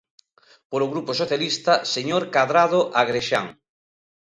Polo Grupo Socialista, señor Cadrado Agrexán.